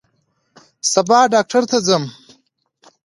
سبا ډاکټر ته ځم